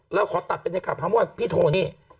แล้วขอตัดไปในคลับเฮ้าส์ว่าพี่โทนี่